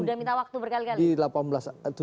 sudah minta waktu berkali kali